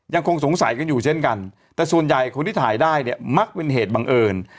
ยังคงสงสัยกันอยู่เช่นกันแต่ส่วนใหญ่คนที่ถ่ายได้เนี่ยมักเป็นเหตุบังเอิญ